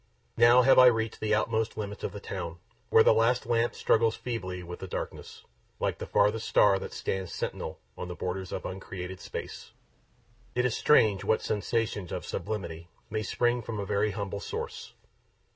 Now have I reached the utmost limits of the town, where the last lamp struggles feebly with the darkness, like the farthest star that stands sentinel on the borders of uncreated space. It is strange what sensations of sublimity may spring from a very humble source.